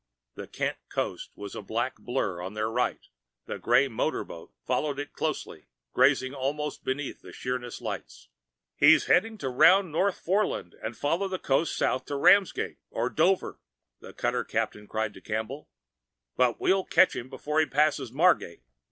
The Kent coast was a black blur on their right; the gray motor boat followed it closely, grazing almost beneath the Sheerness lights. "He's heading to round North Foreland and follow the coast south to Ramsgate or Dover," the cutter captain cried to Campbell. "But we'll catch him before he passes Margate."